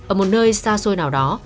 ở một nơi xa xôi nào đó